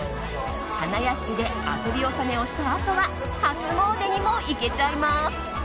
花やしきで遊び納めをしたあとは初詣にも行けちゃいます！